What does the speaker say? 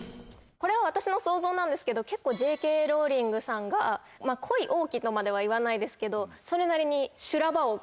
これは私の想像なんですけど結構Ｊ．Ｋ．ローリングさんが。とまでは言わないですけどそれなりに。